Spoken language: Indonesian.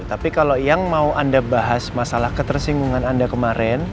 tapi kalau yang mau anda bahas masalah ketersinggungan anda kemarin